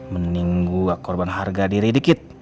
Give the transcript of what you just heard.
mending gua korban harga diri dikit